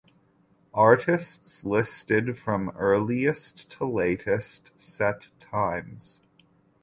Artists listed from earliest to latest set times.